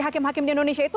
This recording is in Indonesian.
hakim hakim di indonesia itu